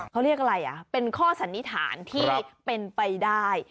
เขาเรียกอะไรอ่ะเป็นข้อสันนิษฐานที่เป็นไปได้